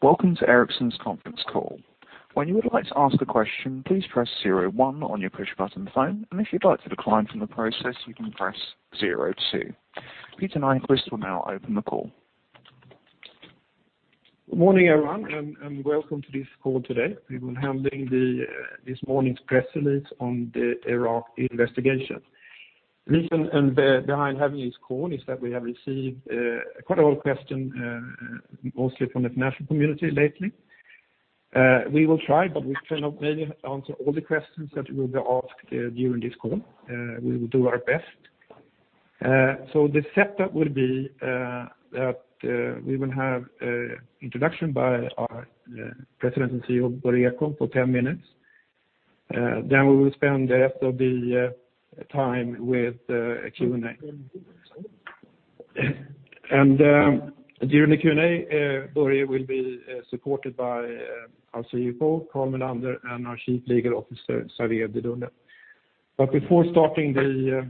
Welcome to Ericsson's conference call. When you would like to ask a question, please press zero one on your push-button phone. And if you'd like to decline from the process, you can press zero two. Peter Nyquist will now open the call. Morning, everyone, and welcome to this call today. We will be handling this morning's press release on the Iraq investigation. The reason behind having this call is that we have received quite a lot of questions, mostly from the international community lately. We will try, but we maybe cannot answer all the questions that will be asked during this call. We will do our best. The setup will be that we will have an introduction by our President and CEO, Börje Ekholm, for 10 minutes. We will spend the rest of the time with Q&A. During the Q&A, Börje will be supported by our CFO, Carl Mellander, and our Chief Legal Officer, Xavier Dedullen. Before starting the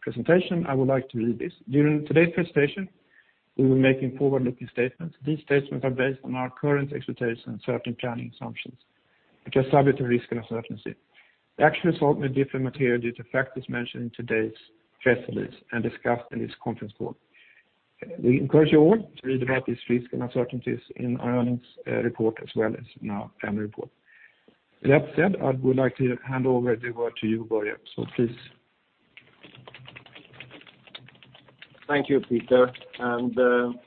presentation, I would like to read this. During today's presentation, we will be making forward-looking statements. These statements are based on our current expectations and certain planning assumptions, which are subject to risk and uncertainty. The actual result may differ materially due to factors mentioned in today's press release and discussed in this conference call. We encourage you all to read about these risks and uncertainties in our earnings report, as well as in our annual report. That said, I would like to hand over the word to you, Börje. Please. Thank you, Peter, and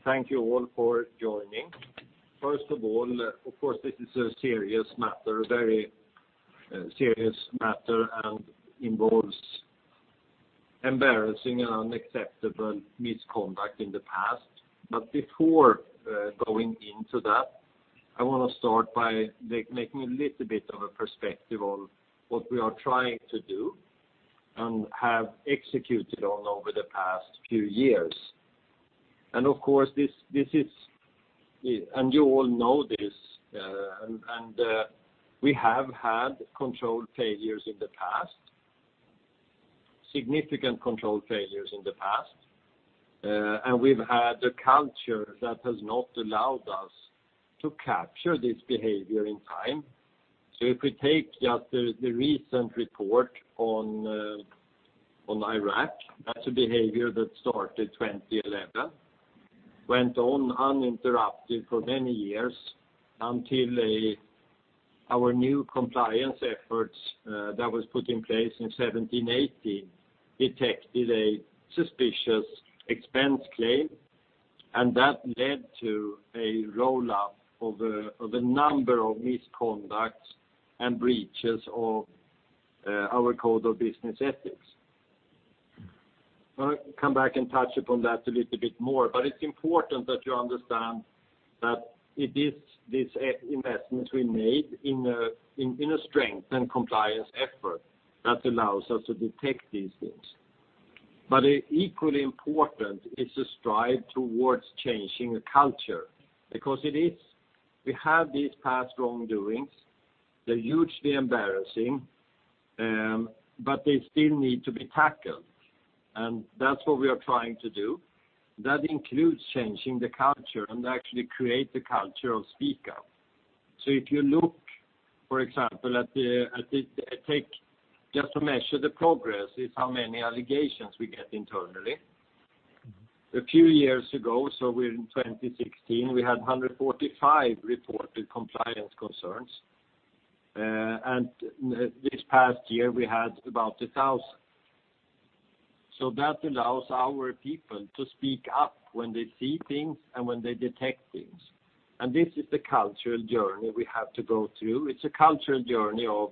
thank you all for joining. First of all, of course, this is a serious matter, a very serious matter, and involves embarrassing and unacceptable misconduct in the past. Before going into that, I want to start by making a little bit of a perspective of what we are trying to do and have executed on over the past few years. Of course, this is, and you all know this, we have had control failures in the past, significant control failures in the past, and we've had a culture that has not allowed us to capture this behavior in time. If we take just the recent report on Iraq, that's a behavior that started 2011, went on uninterrupted for many years until our new compliance efforts that was put in place in 2017-2018, detected a suspicious expense claim, and that led to a roll-up of a number of misconducts and breaches of our Code of Business Ethics. I'll come back and touch upon that a little bit more, but it's important that you understand that it is this investment we made in strengthening compliance effort that allows us to detect these things. Equally important is to strive towards changing a culture because we have these past wrongdoings, they're hugely embarrassing, but they still need to be tackled, and that's what we are trying to do. That includes changing the culture and actually create the culture of speak up. If you look, for example, take just to measure the progress is how many allegations we get internally. A few years ago, so in 2016, we had 145 reported compliance concerns. This past year, we had about 1,000. That allows our people to speak up when they see things and when they detect things. This is the cultural journey we have to go through. It's a cultural journey of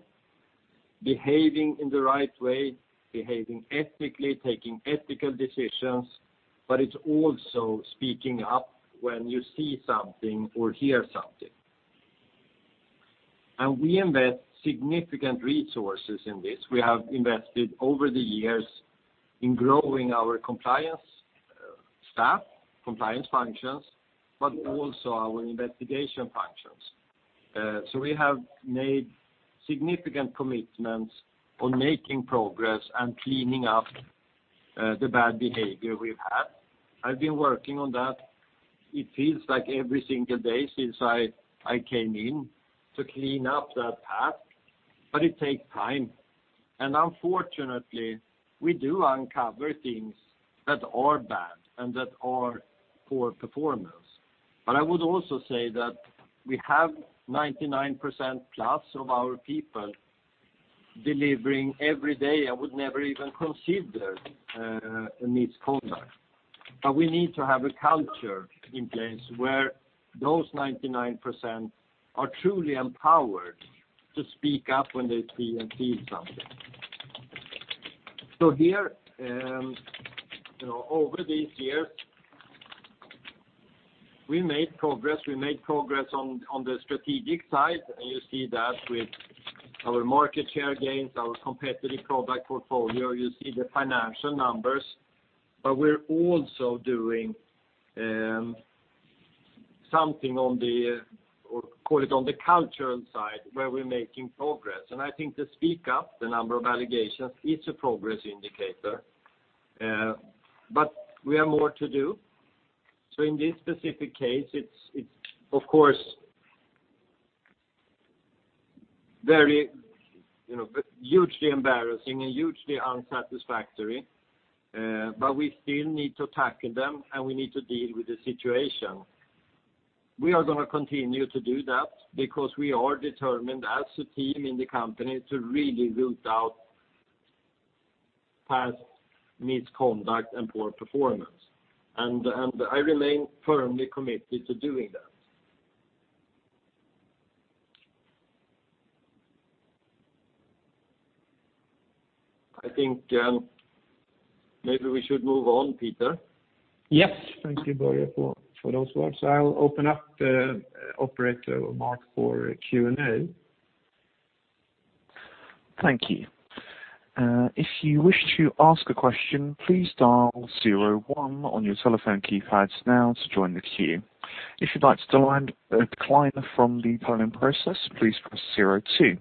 behaving in the right way, behaving ethically, taking ethical decisions, but it's also speaking up when you see something or hear something. We invest significant resources in this. We have invested over the years in growing our compliance staff, compliance functions, but also our investigation functions. We have made significant commitments on making progress and cleaning up the bad behavior we've had. I've been working on that it feels like every single day since I came in to clean up that path, but it takes time. Unfortunately, we do uncover things that are bad and that are poor performance. I would also say that we have 99% plus of our people delivering every day and would never even consider a misconduct. We need to have a culture in place where those 99% are truly empowered to speak up when they see and feel something. Here, you know, over these years, we made progress. We made progress on the strategic side, and you see that with our market share gains, our competitive product portfolio. You see the financial numbers. We're also doing something on the, or call it on the cultural side, where we're making progress. I think the speak up, the number of allegations, is a progress indicator. We have more to do. In this specific case, it's of course very, you know, hugely embarrassing and hugely unsatisfactory, but we still need to tackle them, and we need to deal with the situation. We are gonna continue to do that because we are determined as a team in the company to really root out past misconduct and poor performance. I remain firmly committed to doing that. I think maybe we should move on, Peter. Yes. Thank you, Börje, for those words. I will open up the operator Mark for Q&A. Thank you. Uh, if you wish to ask a question, please dial zero one on your telephone keypads now to join the queue. If you'd like to land a decline from the polling process, please press zero two.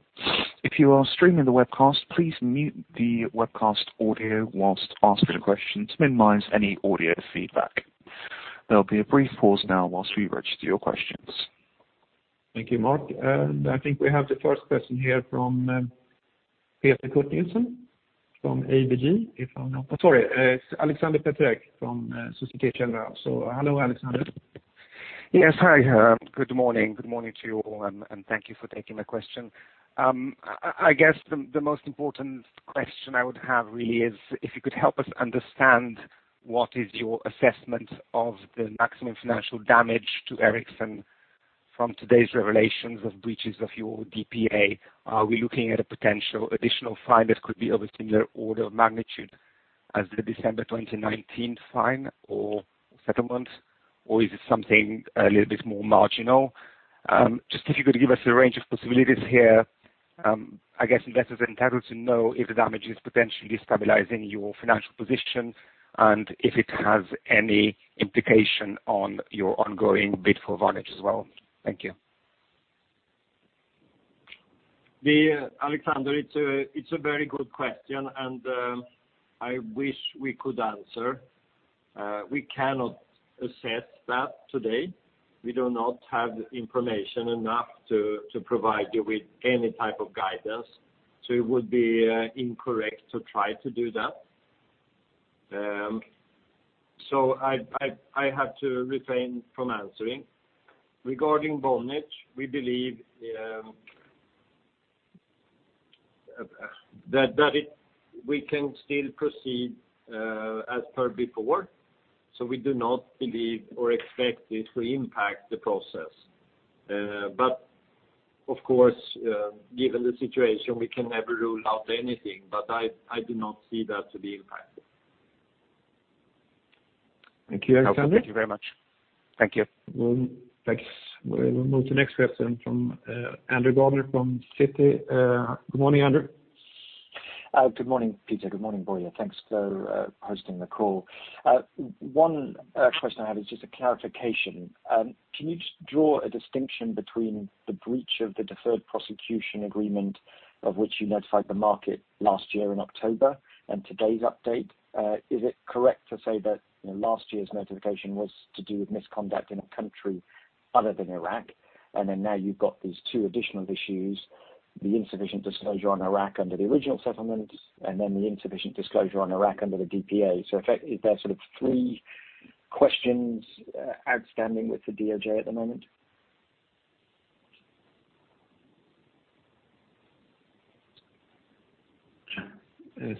If you are streaming the webcast, please mute the webcast audio whilst asking a question to minimize any audio feedback. There'll be a brief pause now whilst we register your questions. Thank you, Mark. I think we have the first question here from Peter Kurt Nielsen from ABG. Oh, sorry, it's Aleksander Peterc from Société Générale. Hello, Aleksander. Yes. Hi. Good morning. Good morning to you all, and thank you for taking my question. I guess the most important question I would have really is if you could help us understand what is your assessment of the maximum financial damage to Ericsson from today's revelations of breaches of your DPA. Are we looking at a potential additional fine that could be of a similar order of magnitude as the December 2019 fine or settlement, or is it something a little bit more marginal? Just if you could give us a range of possibilities here, I guess investors are entitled to know if the damage is potentially destabilizing your financial position and if it has any implication on your ongoing bid for Vonage as well. Thank you. Alexander, it's a very good question, and I wish we could answer. We cannot assess that today. We do not have enough information to provide you with any type of guidance, so it would be incorrect to try to do that. I have to refrain from answering. Regarding Vonage, we believe that we can still proceed as per before, so we do not believe or expect it to impact the process. Of course, given the situation, we can never rule out anything, but I do not see that to be impacted. Thank you, Aleksander. Thank you very much. Thank you. Well, thanks. We'll move to the next question from Andrew Gardiner from Citi. Good morning, Andrew. Good morning, Peter. Good morning, Börje. Thanks for hosting the call. One question I have is just a clarification. Can you just draw a distinction between the breach of the deferred prosecution agreement of which you notified the market last year in October and today's update? Is it correct to say that, you know, last year's notification was to do with misconduct in a country other than Iraq, and then now you've got these two additional issues, the insufficient disclosure on Iraq under the original settlement and then the insufficient disclosure on Iraq under the DPA? Are there sort of three questions outstanding with the DOJ at the moment?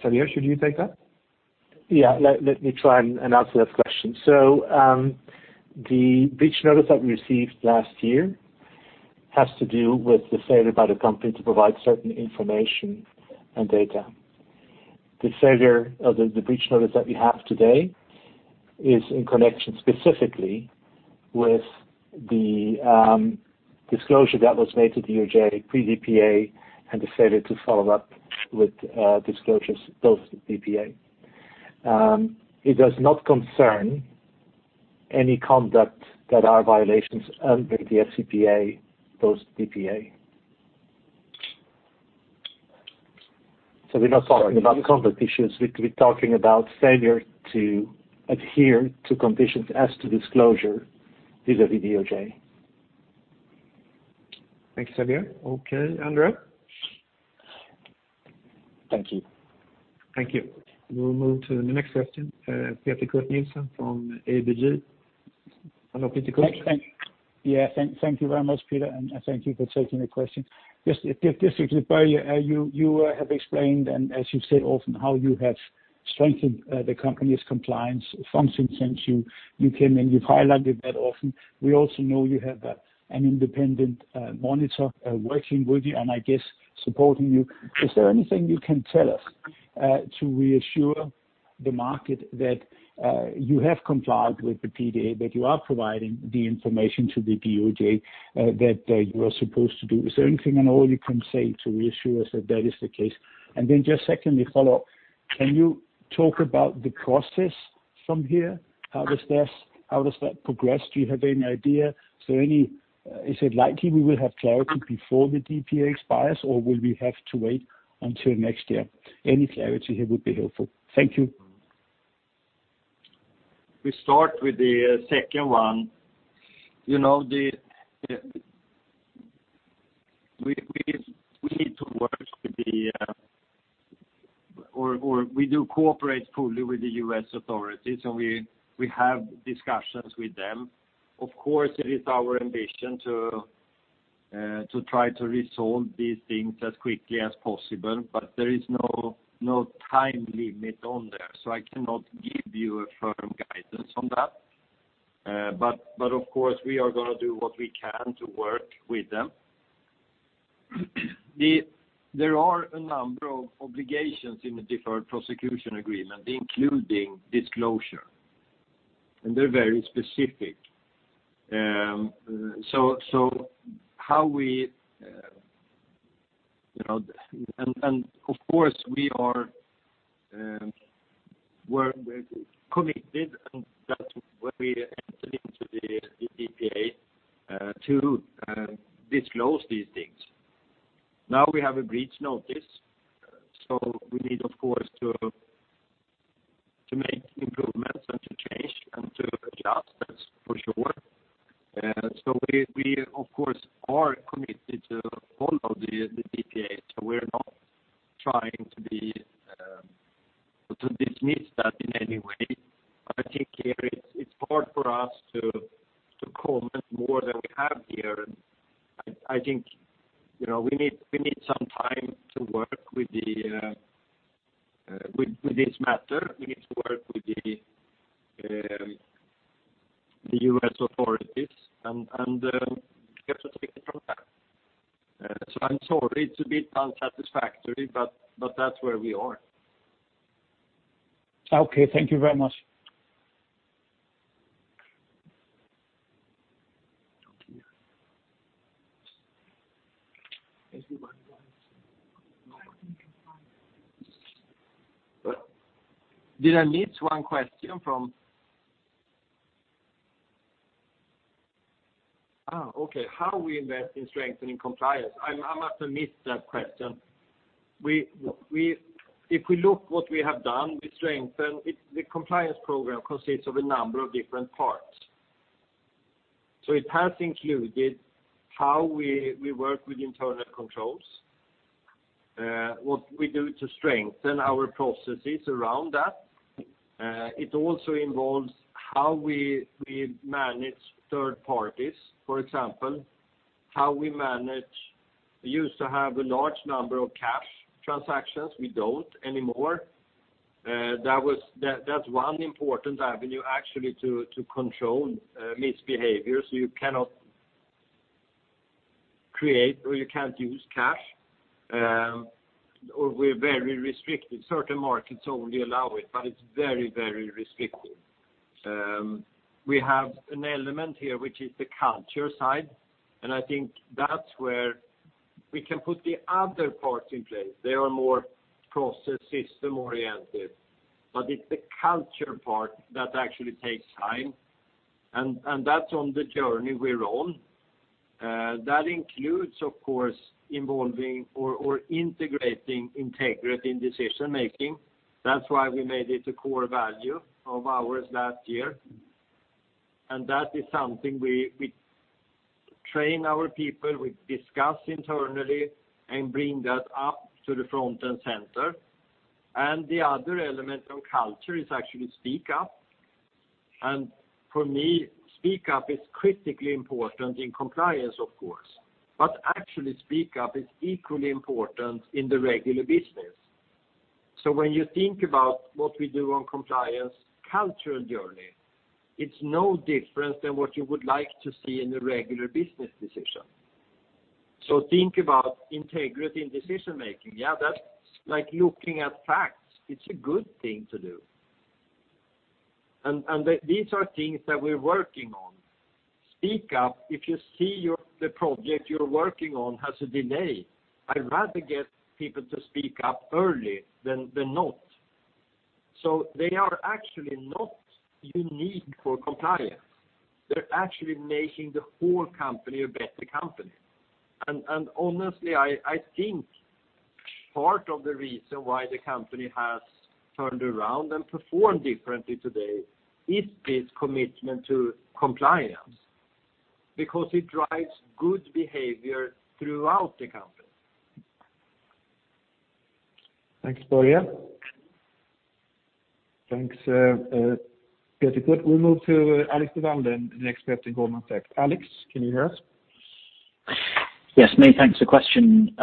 Xavier, should you take that? Yeah. Let me try and answer that question. The breach notice that we received last year has to do with the failure by the company to provide certain information and data. The failure of the breach notice that we have today is in connection specifically with the disclosure that was made to DOJ pre-DPA and the failure to follow up with disclosures post-DPA. It does not concern any conduct that are violations under the FCPA post-DPA. We're not talking about conduct issues. We're talking about failure to adhere to conditions as to disclosure DOJ. Thanks, Xavier. Okay, Andrew? Thank you. Thank you. We'll move to the next question. Peter Kurt Nielsen from ABG. Hello, Peter Kurt. Yeah. Thank you very much, Peter, and thank you for taking the question. Just quickly, Börje, you have explained, and as you've said often, how you have strengthened the company's compliance function since you came in. You've highlighted that often. We also know you have an independent monitor working with you and, I guess, supporting you. Is there anything you can tell us to reassure the market that you have complied with the DPA, that you are providing the information to the DOJ that you are supposed to do? Is there anything at all you can say to reassure us that that is the case? Then just secondly, follow up. Can you talk about the process from here? How does that progress? Do you have any idea? Is it likely we will have clarity before the DPA expires, or will we have to wait until next year? Any clarity here would be helpful. Thank you. We start with the second one. We do cooperate fully with the U.S. authorities, and we have discussions with them. Of course, it is our ambition to try to resolve these things as quickly as possible, but there is no time limit on that, so I cannot give you a firm guidance on that. Of course, we are gonna do what we can to work with them. There are a number of obligations in the deferred prosecution agreement, including disclosure, and they're very specific. Of course, we are committed, and that's why we entered into the DPA to disclose these things. Now we have a breach notice, so we need, of course, to make improvements and to change and to adjust, that's for sure. We of course are committed to follow the DPA, so we're not trying to dismiss that in any way. I think here it's hard for us to comment more than we have here. I think, you know, we need some time to work with this matter. We need to work with the U.S. authorities and we have to take it from there. I'm sorry, it's a bit unsatisfactory, but that's where we are. Okay, thank you very much. Did I miss one question? Okay. How we invest in strengthening compliance? I must have missed that question. If we look at what we have done to strengthen, the compliance program consists of a number of different parts. It has included how we work with internal controls, what we do to strengthen our processes around that. It also involves how we manage third parties. For example, we used to have a large number of cash transactions. We don't anymore. That's one important avenue actually to control misbehavior, so you cannot create or you can't use cash, or we're very restricted. Certain markets only allow it, but it's very, very restricted. We have an element here which is the culture side, and I think that's where we can put the other parts in place. They are more process system-oriented, but it's the culture part that actually takes time, and that's on the journey we're on. That includes of course involving or integrating integrity in decision-making. That's why we made it a core value of ours last year. That is something we train our people, we discuss internally, and bring that up to the front and center. The other element of culture is actually speak up. For me, speak up is critically important in compliance, of course, but actually speak up is equally important in the regular business. When you think about what we do on compliance cultural journey, it's no different than what you would like to see in a regular business decision. Think about integrity in decision-making. Yeah, that's like looking at facts. It's a good thing to do. These are things that we're working on. Speak up if you see the project you're working on has a delay. I'd rather get people to speak up early than not. They are actually not unique for compliance. They're actually making the whole company a better company. Honestly, I think part of the reason why the company has turned around and performed differently today is this commitment to compliance, because it drives good behavior throughout the company. Thanks, Börje. Thanks, Peter. We'll move to Alexander Duval and then expert in Goldman Sachs. Alex, can you hear us? Yes, many thanks for the question.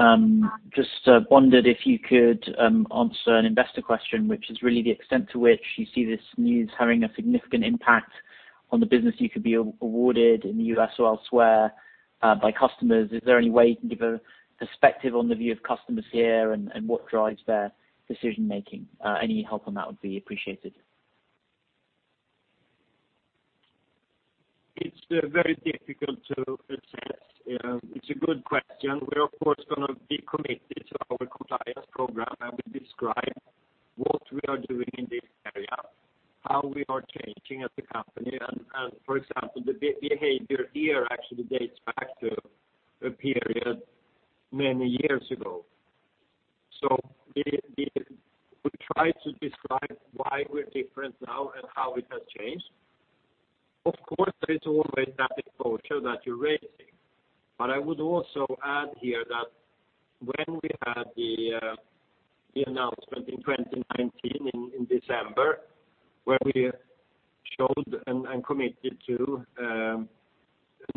Just wondered if you could answer an investor question, which is really the extent to which you see this news having a significant impact on the business you could be awarded in the U.S. or elsewhere by customers. Is there any way you can give a perspective on the view of customers here and what drives their decision-making? Any help on that would be appreciated. It's very difficult to assess. It's a good question. We're of course gonna be committed to our compliance program, and we describe what we are doing in this area, how we are changing as a company. For example, the behavior here actually dates back to a period many years ago. We try to describe why we're different now and how it has changed. Of course, there is always that exposure that you're raising. I would also add here that when we had the announcement in 2019 in December, where we showed and committed to a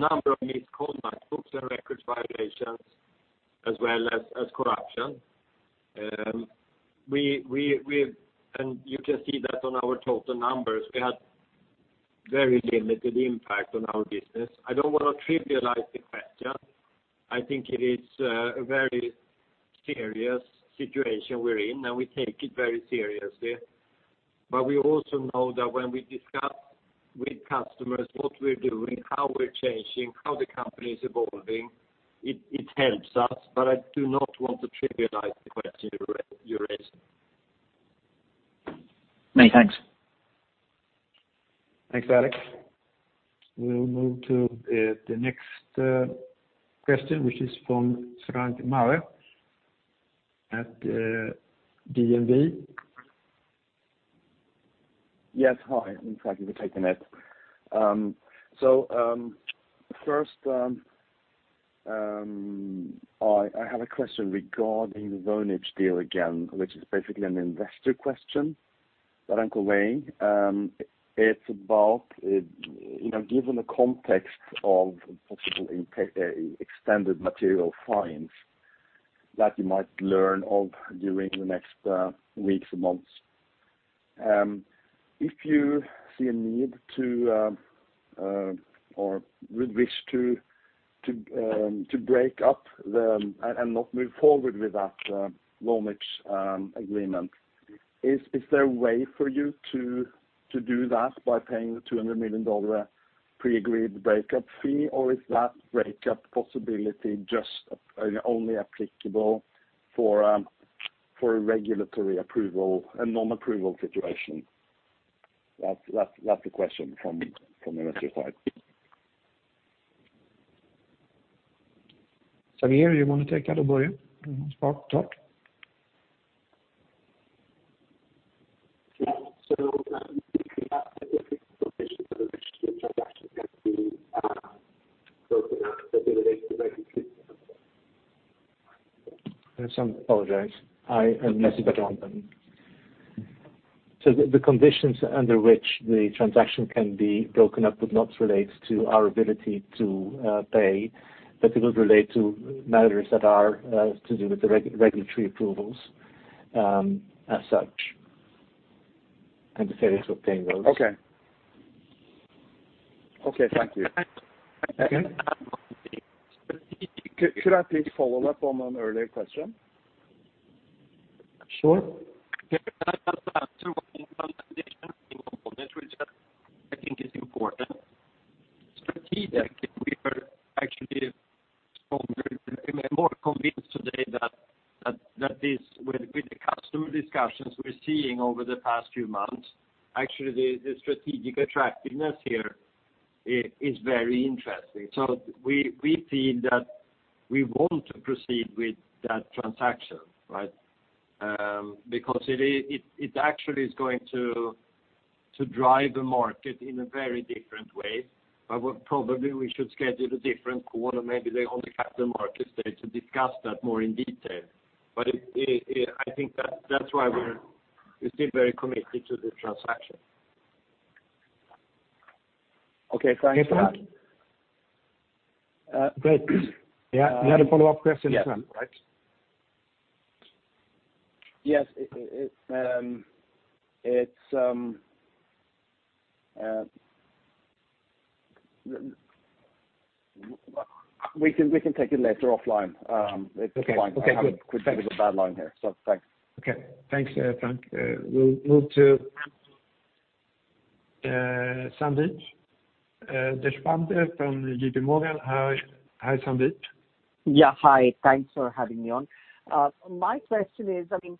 number of these controls, books and records violations as well as corruption, and you can see that on our total numbers, we had very limited impact on our business. I don't wanna trivialize the question. I think it is a very serious situation we're in, and we take it very seriously. We also know that when we discuss with customers what we're doing, how we're changing, how the company is evolving, it helps us. I do not want to trivialize the question you're raising. Many thanks. Thanks, Alex. We'll move to the next question, which is from François Meunier at DNB. Yes. Hi, and thank you for taking it. I have a question regarding the Vonage deal again, which is basically an investor question that I'm conveying. It's about, you know, given the context of possible impact, extended material fines that you might learn of during the next weeks and months, if you see a need to, or would wish to break up and not move forward with that Vonage agreement, is there a way for you to do that by paying the $200 million pre-agreed breakup fee, or is that breakup possibility just only applicable for a regulatory approval, a non-approval situation? That's the question from the investor side. Xavier, you wanna take that or Börje? Yeah. The conditions under which the transaction can be broken up would not relate to the ability to. Yes, I apologize. I am messing around then. The conditions under which the transaction can be broken up would not relate to our ability to pay, but it would relate to matters that are to do with the regulatory approvals, as such, and the failure to obtain those. Okay. Okay. Thank you. Okay. Could I please follow up on an earlier question? Sure. Can I just add to which I think is important. Strategically, we are actually stronger. We're more convinced today that is with the customer discussions we're seeing over the past few months, actually, the strategic attractiveness here is very interesting. We feel that we want to proceed with that transaction, right? Because it actually is going to drive the market in a very different way. We probably should schedule a different call or maybe on the Capital Markets Day to discuss that more in detail. I think that's why we're still very committed to the transaction. Okay. Thanks. Anything else? Great. Yeah. You had a follow-up question as well, right? Yes. We can take it later offline. It's fine. Okay. Good. We've taken a bad line here, so thanks. Okay. Thanks, Frank. We'll move to Sandeep Deshpande from JPMorgan. Hi. Hi, Sandip. Yeah. Hi. Thanks for having me on. My question is, I mean,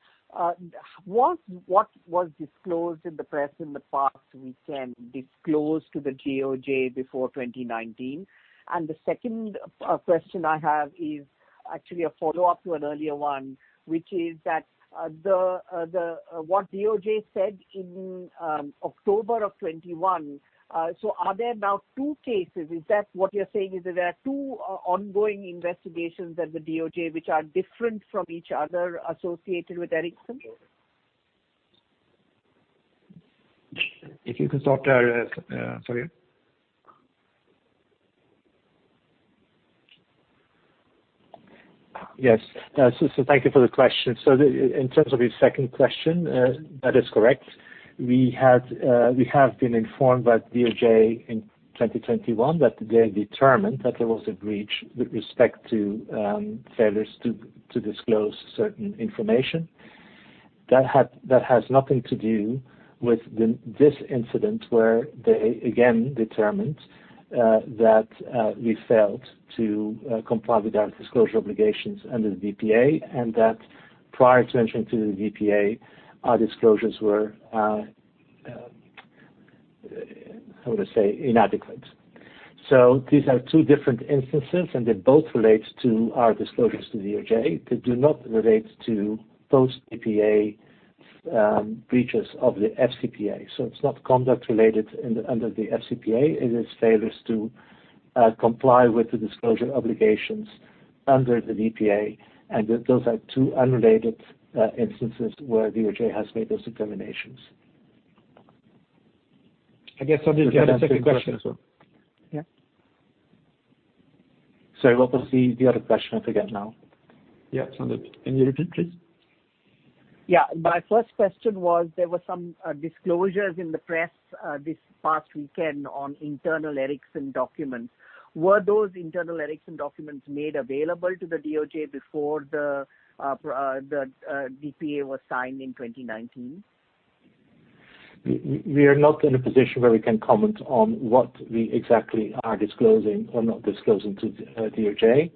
was what was disclosed in the press in the past weekend disclosed to the DOJ before 2019? The second question I have is actually a follow-up to an earlier one, which is that, what DOJ said in October 2021, so are there now two cases? Is that what you're saying, is that there are two ongoing investigations at the DOJ which are different from each other associated with Ericsson? If you could start, Xavier. Yes. Thank you for the question. In terms of your second question, that is correct. We have been informed by the DOJ in 2021 that they determined that there was a breach with respect to failures to disclose certain information. That has nothing to do with this incident where they again determined that we failed to comply with our disclosure obligations under the DPA, and that prior to entering to the DPA, our disclosures were how to say, inadequate. These are two different instances, and they both relate to our disclosures to DOJ. They do not relate to post-DPA breaches of the FCPA. It's not conduct related under the FCPA, it is failures to comply with the disclosure obligations under the DPA, and those are two unrelated instances where DOJ has made those determinations. I guess Sandeep had a second question. You had a second question as well. Yeah. Sorry, what was the other question again now? Yeah, Sandeep. Can you repeat, please? Yeah. My first question was there were some disclosures in the press this past weekend on internal Ericsson documents. Were those internal Ericsson documents made available to the DOJ before the DPA was signed in 2019? We are not in a position where we can comment on what we exactly are disclosing or not disclosing to DOJ.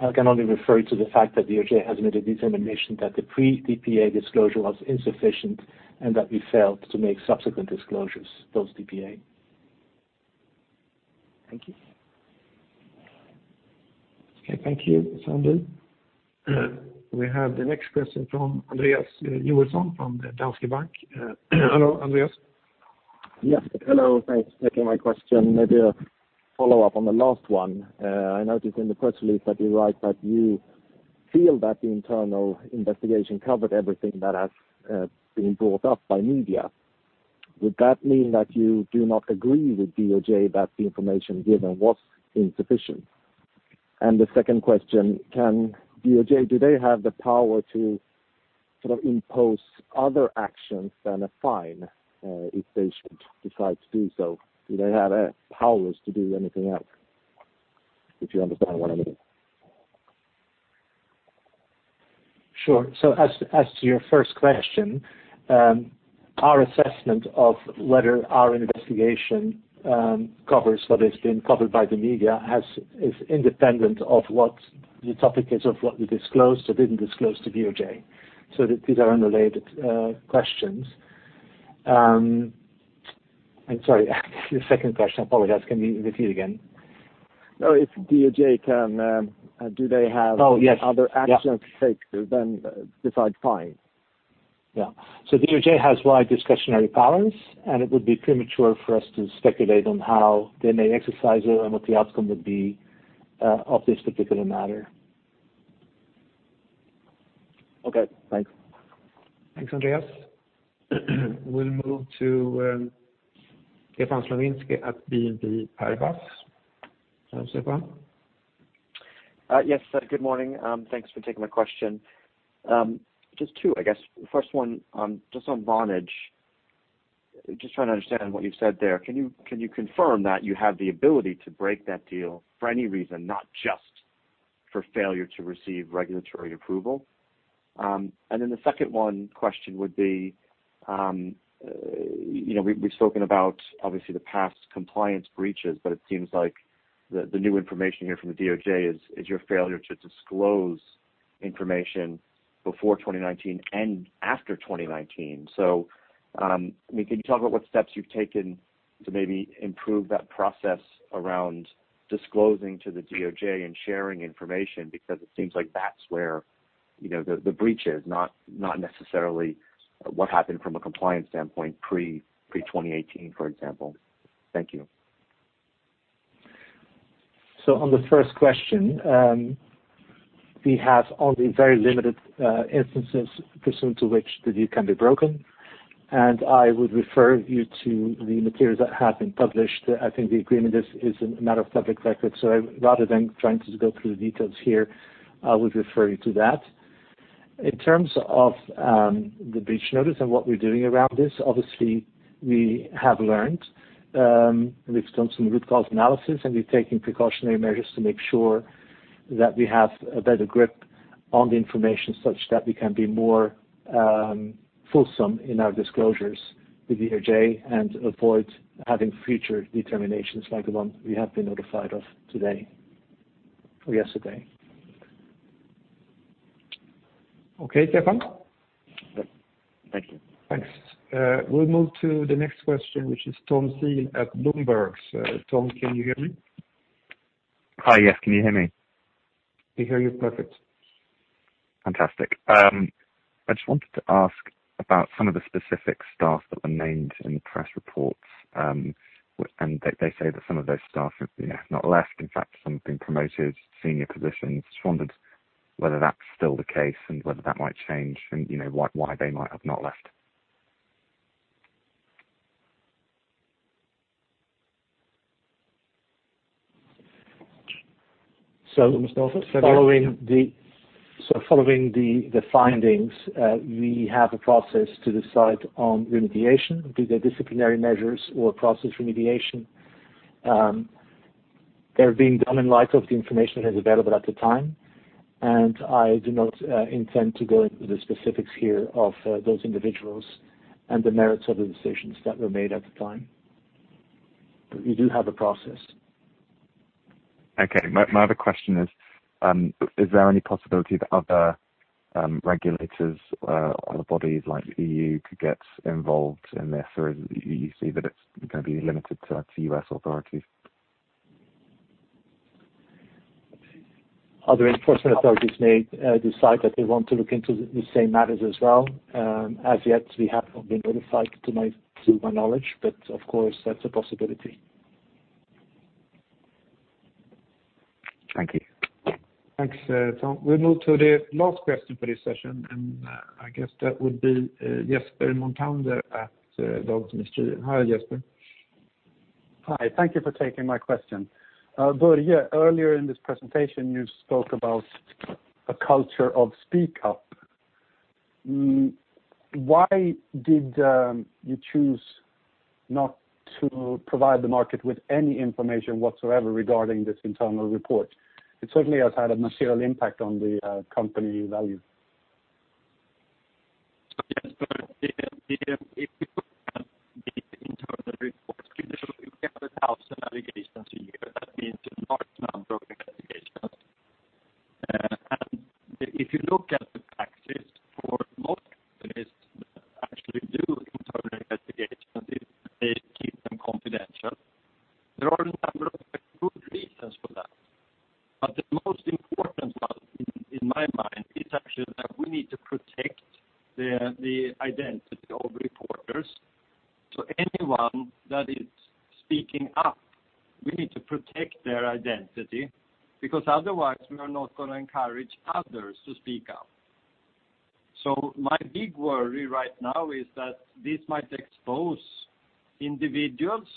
I can only refer you to the fact that DOJ has made a determination that the pre-DPA disclosure was insufficient and that we failed to make subsequent disclosures post-DPA. Thank you. Okay, thank you, Sandeep. We have the next question from Andreas Joelsson from Danske Bank. Hello, Andreas. Yes. Hello. Thanks for taking my question. Maybe a follow-up on the last one. I noticed in the press release that you write that you feel that the internal investigation covered everything that has been brought up by media. Would that mean that you do not agree with DOJ that the information given was insufficient? The second question, can DOJ, do they have the power to sort of impose other actions than a fine, if they should decide to do so? Do they have powers to do anything else, if you understand what I mean? Sure. As to your first question, our assessment of whether our investigation covers what has been covered by the media is independent of what the topic is of what we disclosed or didn't disclose to DOJ. These are unrelated questions. I'm sorry. The second question. Can you repeat again? No, if DOJ can, do they have? Oh, yes. other actions to take to then decide fine? DOJ has wide discretionary powers, and it would be premature for us to speculate on how they may exercise it and what the outcome would be, of this particular matter. Okay, thanks. Thanks, Andreas. We'll move to Sébastien Sztabowicz at Kepler Cheuvreux. Sébastien. Yes, good morning. Thanks for taking my question. Just two, I guess. First one, just on Vonage. Just trying to understand what you said there. Can you confirm that you have the ability to break that deal for any reason, not just for failure to receive regulatory approval? And then the second one question would be, you know, we've spoken about obviously the past compliance breaches, but it seems like the new information here from the DOJ is your failure to disclose information before 2019 and after 2019. So, I mean, can you talk about what steps you've taken to maybe improve that process around disclosing to the DOJ and sharing information? Because it seems like that's where, you know, the breach is not necessarily what happened from a compliance standpoint pre-2018, for example. Thank you. On the first question, we have only very limited instances pursuant to which the deal can be broken, and I would refer you to the materials that have been published. I think the agreement is a matter of public record, so rather than trying to go through the details here, I would refer you to that. In terms of the breach notice and what we're doing around this, obviously we have learned, we've done some root cause analysis, and we're taking precautionary measures to make sure that we have a better grip on the information such that we can be more fulsome in our disclosures with DOJ and avoid having future determinations like the one we have been notified of today or yesterday. Okay, Séba. Thank you. Thanks. We'll move to the next question, which is Thomas Seal at Bloomberg. Tom, can you hear me? Hi. Yes. Can you hear me? We hear you. Perfect. Fantastic. I just wanted to ask about some of the specific staff that were named in the press reports. They say that some of those staff have, you know, not left. In fact, some have been promoted senior positions. Just wondered whether that's still the case and whether that might change and, you know, why they might have not left. So- Following the findings, we have a process to decide on remediation, be they disciplinary measures or process remediation. They're being done in light of the information that is available at the time, and I do not intend to go into the specifics here of those individuals and the merits of the decisions that were made at the time. We do have a process. Okay. My other question is there any possibility that other regulators or bodies like E.U. could get involved in this? Or you see that it's gonna be limited to U.S. authorities? Other enforcement authorities may decide that they want to look into the same matters as well. As yet, we have not been notified to my knowledge, but of course, that's a possibility. Thank you. Thanks, Tom. We'll move to the last question for this session, and, I guess that would be, Jesper Mothander at Dagens Industri. Hi, Jesper. Hi. Thank you for taking my question. Börje, earlier in this presentation, you spoke about a culture of speak up. Why did you choose not to provide the market with any information whatsoever regarding this internal report? It certainly has had a material impact on the company value. Jesper, if you look at the internal reports, we usually get 1,000 allegations a year. That means a large number of investigations. If you look at the practice for most companies that actually do internal investigations is they keep them confidential. There are a number of good reasons for that. The most important one in my mind is actually that we need to protect the identity of reporters. Anyone that is speaking up, we need to protect their identity because otherwise we are not gonna encourage others to speak up. My big worry right now is that this might expose individuals,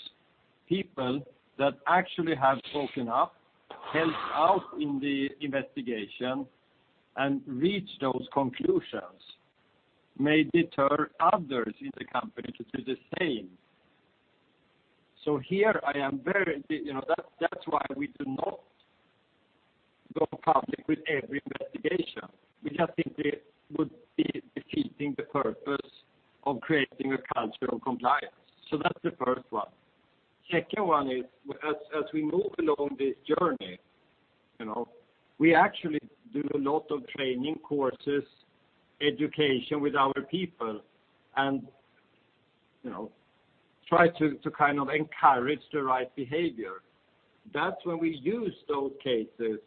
people that actually have spoken up, helped out in the investigation, and reached those conclusions, may deter others in the company to do the same. Here I am very... You know, that's why we do not go public with every investigation, because I think it would be defeating the purpose of creating a culture of compliance. That's the first one. Second one is, as we move along this journey, you know, we actually do a lot of training courses, education with our people, and, you know, try to kind of encourage the right behavior. That's when we use those cases,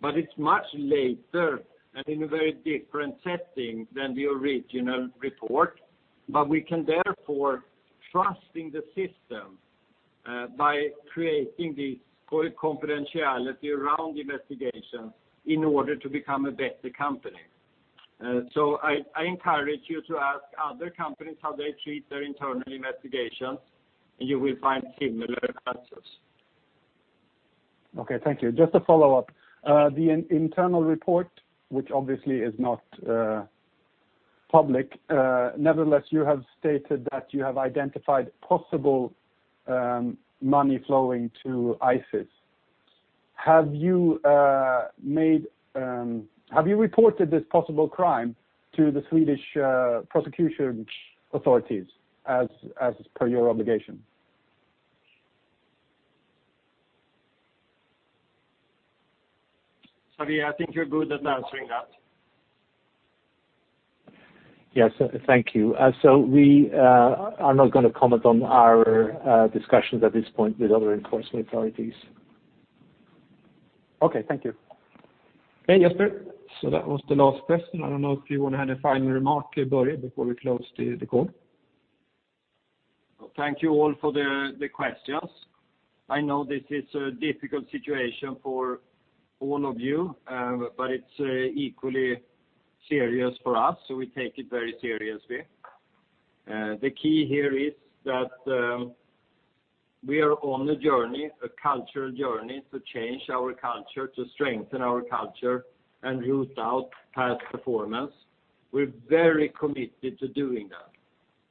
but it's much later and in a very different setting than the original report, but we can therefore trust in the system by creating the confidentiality around the investigation in order to become a better company. I encourage you to ask other companies how they treat their internal investigations, and you will find similar answers. Okay. Thank you. Just a follow-up. The internal report, which obviously is not public, nevertheless, you have stated that you have identified possible money flowing to ISIS. Have you reported this possible crime to the Swedish prosecution authorities as per your obligation? Börje, I think you're good at answering that. Yes. Thank you. We are not gonna comment on our discussions at this point with other enforcement authorities. Okay. Thank you. Okay, Jesper. That was the last question. I don't know if you want to add a final remark, Börje, before we close the call. Thank you all for the questions. I know this is a difficult situation for all of you, but it's equally serious for us, so we take it very seriously. The key here is that we are on a journey, a cultural journey to change our culture, to strengthen our culture, and root out past performance. We're very committed to doing that,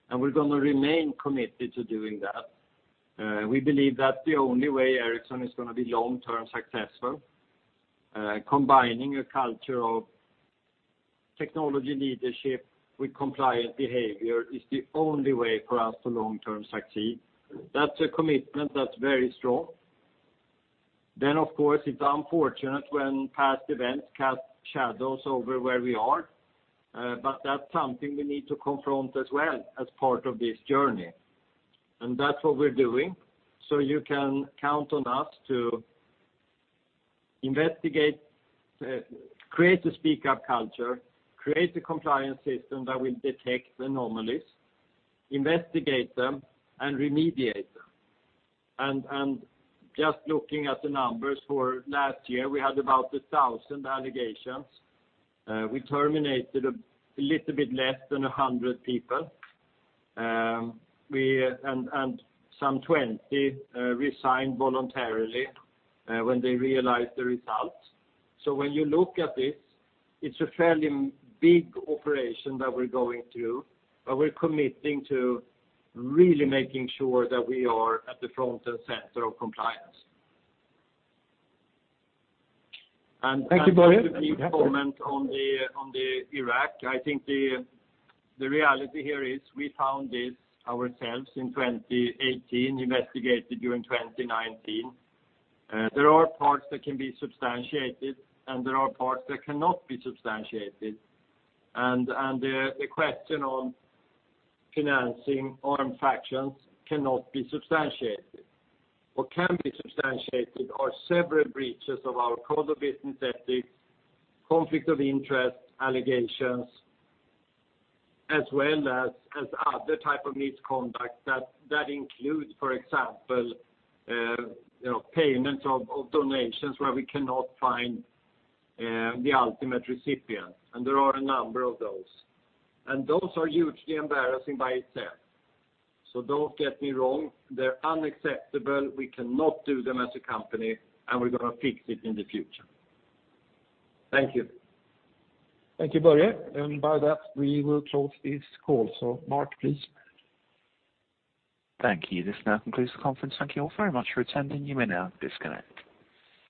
and we're gonna remain committed to doing that. We believe that the only way Ericsson is gonna be long-term successful, combining a culture of technology leadership with compliant behavior is the only way for us to long-term succeed. That's a commitment that's very strong. Of course, it's unfortunate when past events cast shadows over where we are, but that's something we need to confront as well as part of this journey. That's what we're doing. You can count on us to investigate, create a speak-up culture, create a compliance system that will detect anomalies, investigate them, and remediate them. Just looking at the numbers for last year, we had about 1,000 allegations. We terminated a little bit less than 100 people. Some 20 resigned voluntarily when they realized the results. When you look at this, it's a fairly big operation that we're going through, but we're committing to really making sure that we are at the front and center of compliance. Thank you, Börje. Just a brief comment on the Iraq. I think the reality here is we found this ourselves in 2018, investigated during 2019. There are parts that can be substantiated, and there are parts that cannot be substantiated. The question on financing armed factions cannot be substantiated. What can be substantiated are several breaches of our Code of Business Ethics, conflict of interest allegations, as well as other type of misconduct that includes, for example, you know, payments of donations where we cannot find the ultimate recipient, and there are a number of those. Those are hugely embarrassing by itself. Don't get me wrong. They're unacceptable. We cannot do them as a company, and we're gonna fix it in the future. Thank you. Thank you, Börje. By that, we will close this call. Mark, please. Thank you. This now concludes the conference. Thank you all very much for attending. You may now disconnect.